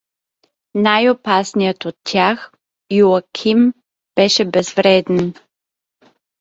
Най-опасният от тях, Иоаким, беше безвреден.